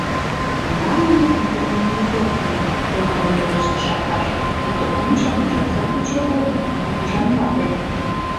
— Пагалыме Антонина Егоровна! — кумылын пелештыш Аркаш, пуйто ончылныжо сатучо огыл, а кугыжан вате.